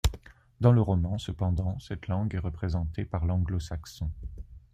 Dans le roman, cependant, cette langue est représentée par l'anglo-saxon.